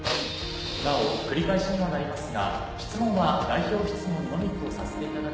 なお繰り返しにはなりますが質問は代表質問のみとさせていただくとともに。